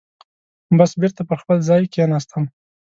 بس بېرته پر خپل ځای کېناستم.